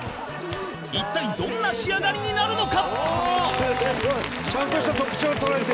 一体どんな仕上がりになるのか？